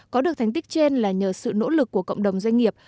có được thành tích trên là nhờ sự nỗ lực của cộng đồng doanh nghiệp